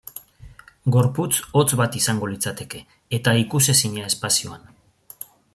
Gorputz hotz bat izango litzateke, eta ikusezina espazioan.